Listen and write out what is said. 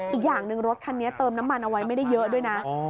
อีกอย่างหนึ่งรถคันนี้เติมน้ำมันเอาไว้ไม่ได้เยอะด้วยนะ